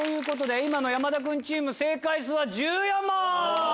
山田君チーム正解数は１４問！